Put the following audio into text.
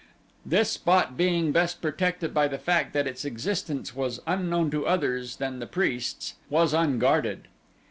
This spot being best protected by the fact that its existence was unknown to others than the priests, was unguarded.